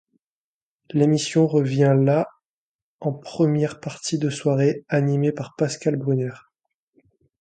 L'émission revient à la en première partie de soirée, animée par Pascal Brunner.